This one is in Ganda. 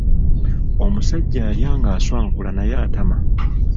Omusajja alya ng’aswankula naye atama.